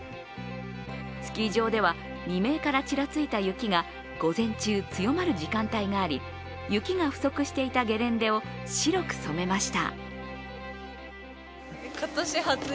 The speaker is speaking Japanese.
スキー場では未明からちらついた雪が午前中、強まる時間帯があり雪が不足していたゲレンデを白く染めました。